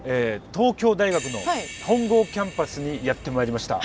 東京大学の本郷キャンパスにやって参りました。